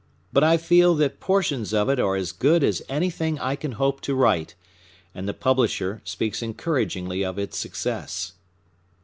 But I feel that portions of it are as good as anything I can hope to write, and the publisher speaks encouragingly of its success."